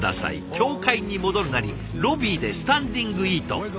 協会に戻るなりロビーでスタンディングイート。